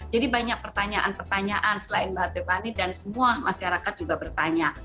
jadi banyak pertanyaan pertanyaan selain mbak tepani dan semua masyarakat juga bertanya